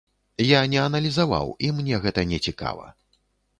Я не аналізаваў, і мне гэта нецікава.